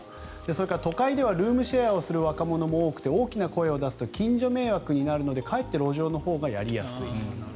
それから都会ではルームシェアをする若者が多くて大きな声を出すと近所迷惑になるのでかえって路上のほうがやりやすいと。